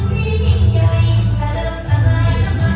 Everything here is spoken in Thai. ในใช่ความฝันเกินไป